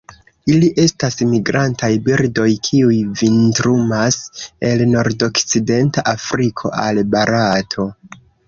Ili estas migrantaj birdoj, kiuj vintrumas el nordokcidenta Afriko al Barato.